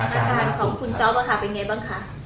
อาการของคุณจ๊อปเป็นไงบ้างคะ